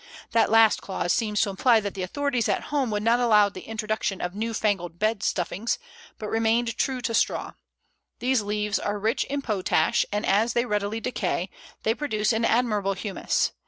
That last clause seems to imply that the authorities at home would not allow the introduction of new fangled bed stuffings, but remained true to straw. These leaves are rich in potash, and as they readily decay, they produce an admirable humus.